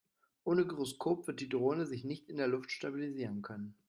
Ohne Gyroskop wird die Drohne sich nicht in der Luft stabilisieren können.